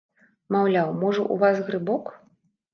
Маўляў, можа, у вас грыбок.